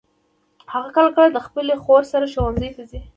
هغه کله کله د خپلي خور سره ښوونځي ته ځي.